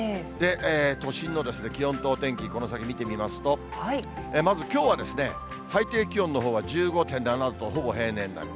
都心の気温とお天気、この先見てみますと、まずきょうは、最低気温のほうは１５．７度と、ほぼ平年並み。